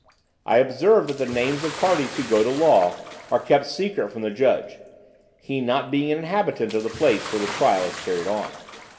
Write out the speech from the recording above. I observed that the names of parties who go to law, are kept secret from the judge, he not being an inhabitant of the place where the trial is carried on.